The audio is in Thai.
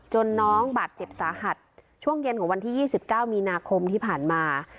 จนน้องบัดเจ็บสาหัสช่วงเย็นของวันที่ยี่สิบเก้ามีนาคมที่ผ่านมา